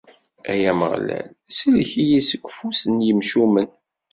Ay Ameɣlal, sellek-iyi seg ufus n yimcumen.